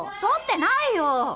取ってないよ！